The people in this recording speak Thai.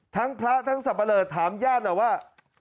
ทั้งพระทั้งสรรพเลิศถามญาตินะว่า